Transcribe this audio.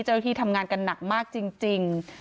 เจ้าหน้าที่ทำงานกันหนักมากจริง